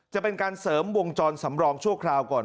จะเป็นการเสริมวงจรสำรองชั่วคราวก่อน